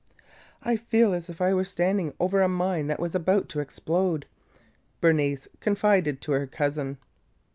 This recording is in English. "I feel as if I were standing over a mine that was just about to explode!" Bernice confided to her cousin.